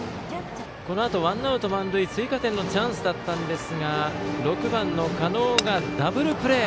このあとワンアウト満塁追加点のチャンスだったんですが６番の狩野がダブルプレー。